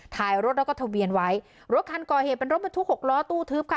ถ่ายรถแล้วก็ทะเบียนไว้รถคันก่อเหตุเป็นรถบรรทุกหกล้อตู้ทึบค่ะ